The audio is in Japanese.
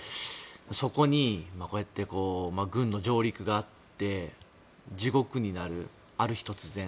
そこにこうやって軍の上陸があって地獄になる、ある日突然。